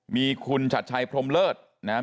มีคุณชัดชัยพรมเลิศนะครับ